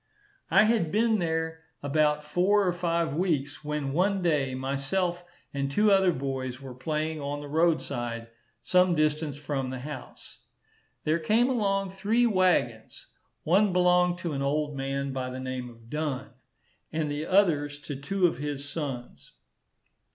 I had been there about four or five weeks, when one day myself and two other boys were playing on the road side, some distance from the house. There came along three waggons. One belonged to an old man by the name of Dunn, and the others to two of his sons.